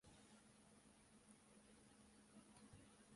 玄関は白い瀬戸の煉瓦で組んで、実に立派なもんです